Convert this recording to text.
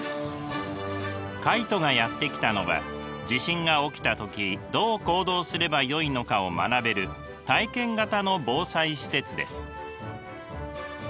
カイトがやって来たのは地震が起きた時どう行動すればよいのかを学べる体験型の防災施設です。